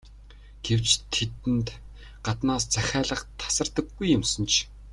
Гэвч тэдэнд гаднаас захиалга тасардаггүй юмсанж.